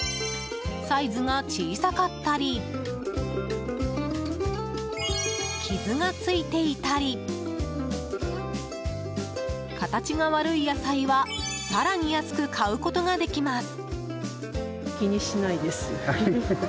サイズが小さかったり傷が付いていたり形が悪い野菜は更に安く買うことができます。